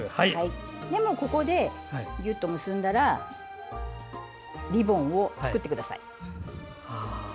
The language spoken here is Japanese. ここで、ギュッと結んだらリボンを作ってください。